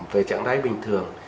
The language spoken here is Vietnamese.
về trạng đáy bình thường